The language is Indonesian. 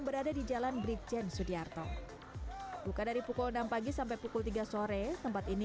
berada di jalan brigjen sudiarto buka dari pukul enam pagi sampai pukul tiga sore tempat ini